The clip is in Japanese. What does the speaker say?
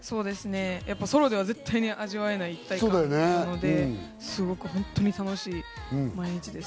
ソロでは絶対味わえない一体感なので、すごい楽しい毎日です。